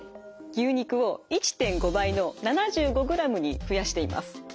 牛肉を１．５倍の７５ｇに増やしています。